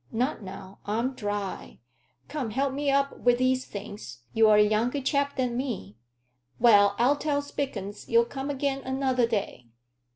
Not now; I'm dry. Come, help me up wi' these things; you're a younger chap than me. Well, I'll tell Spilkins you'll come again another day."